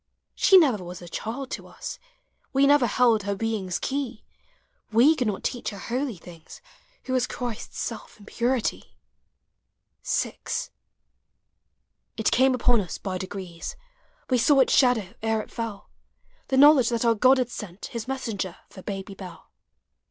She never was a child to us, We never held her being's key; He could not teach her holy things Who was Christ's self in purity. VI. It came upon us by degrees, We saw its shadow ere it fell — The knowledge that our God had sent His messenger for Baby Dell.